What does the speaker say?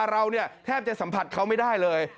แต่เราเนี่ยแทบจะสัมผัสเขาไม่ได้เลย